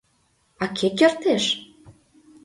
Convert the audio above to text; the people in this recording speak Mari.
— А кӧ кертеш!?